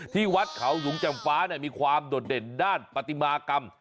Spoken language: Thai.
ที่วัดเขาสูงจำฟ้ามีความโดดเด่นด้านปฏิมากรรม